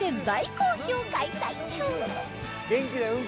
大好評開催中！